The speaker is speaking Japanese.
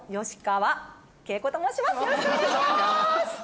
よろしくお願いします！